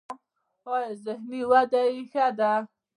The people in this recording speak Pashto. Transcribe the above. ایا ذهني وده یې ښه ده؟